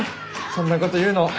そんなこと言うのは。